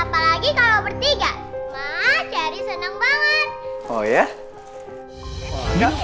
seneng dong apalagi kalau bertiga